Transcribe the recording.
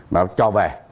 bảo cho về